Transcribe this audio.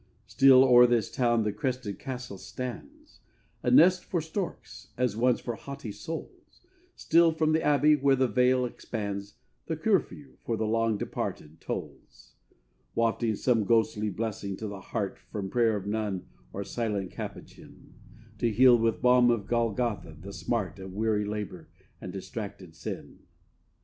Still o'er this town the crested castle stands, A nest for storks, as once for haughty souls; Still from the abbey, where the vale expands, The curfew for the long departed tolls, Wafting some ghostly blessing to the heart From prayer of nun or silent Capuchin, To heal with balm of Golgotha the smart Of weary labour and distracted sin.